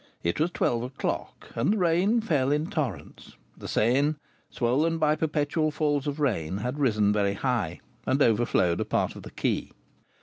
It was twelve o'clock, and the rain fell in torrents; the Seine, swollen by perpetual falls of rain, had risen very high, and overflowed a part of the quay.